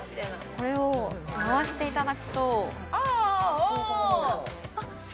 これを回していただくとあおお！